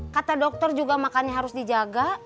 kata dokter juga makannya harus dijaga